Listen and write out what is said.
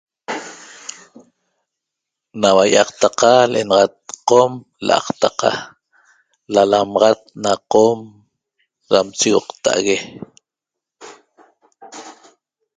nahua yiactaca lenaxat qom laqtaqa lalamaxat na qom da cheoqtague